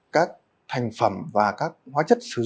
các thành phẩm và các hóa chất sử dụng